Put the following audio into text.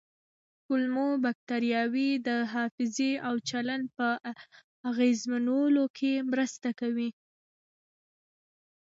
کولمو بکتریاوې د حافظې او چلند په اغېزمنولو کې مرسته کوي.